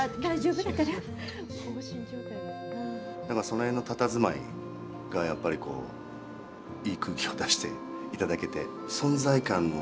その辺のたたずまいがやっぱり、こういい空気感、出していただけて。